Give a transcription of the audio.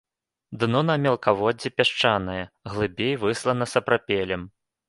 Дно на мелкаводдзі пясчанае, глыбей выслана сапрапелем.